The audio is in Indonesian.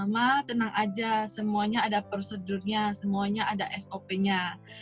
ma tenang aja semuanya ada prosedurnya semuanya ada sop nya